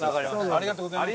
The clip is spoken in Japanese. ありがとうございます。